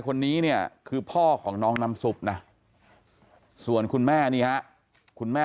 คนนี้เนี่ยคือพ่อของน้องน้ำซุปนะส่วนคุณแม่นี่ฮะคุณแม่